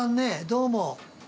どうも。